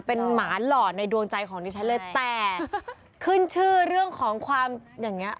เป็นหมาหล่อในดวงใจของดิฉันเลยแต่ขึ้นชื่อเรื่องของความอย่างเงี้